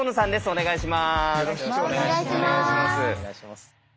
お願いします。